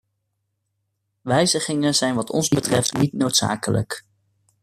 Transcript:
Wijzigingen zijn wat ons betreft niet noodzakelijk.